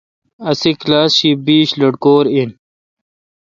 اسی کلاس مہ بیش لٹکور این۔